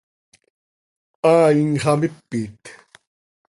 Haai nxamipit.